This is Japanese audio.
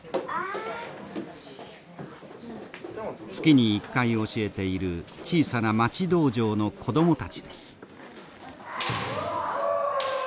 月に１回教えている小さな町道場の子供たちです。